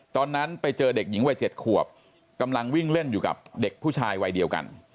ตอนนั้นไปเจอเด็กหญิงวัย๗ขวบกำลังวิ่งเล่นอยู่กับเด็กผู้ชายวัยเดียวกัน